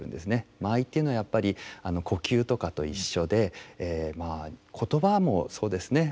間合いというのはやっぱり呼吸とかと一緒でまあ言葉もそうですね。